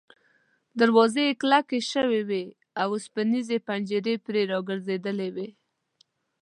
دروازې یې کلکې شوې وې او اوسپنیزې پنجرې پرې را ګرځېدلې وې.